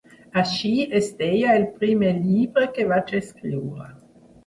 Així es deia el primer llibre que vaig escriure.